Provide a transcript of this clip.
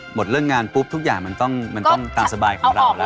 หมดเรื่องงานปุ๊บทุกอย่างมันต้องตามสบายของเราแล้ว